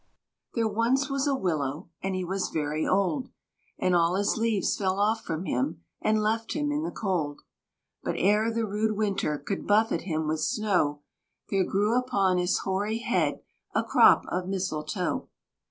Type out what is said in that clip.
There once was a Willow, and he was very old, And all his leaves fell off from him, and left him in the cold; But ere the rude winter could buffet him with snow, There grew upon his hoary head a crop of Mistletoe.